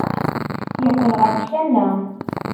Yeqqel ɣer tkanna.